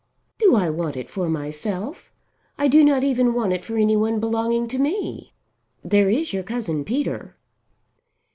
"Do I want it for myself? I do not even want it for any one belonging to me. There is your cousin Peter."